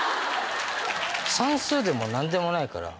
算数でも何でもないから。